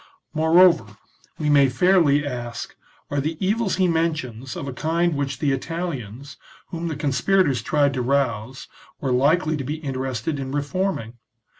Moreover, we may fairly ask, are the evils he mentions of a kind which the Italians, whom the conspirators tried to rouse, were likely to be interested in reforming